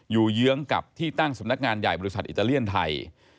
เยื้องกับที่ตั้งสำนักงานใหญ่บริษัทอิตาเลียนไทย